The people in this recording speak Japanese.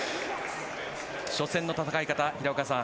初戦の戦い方平岡さん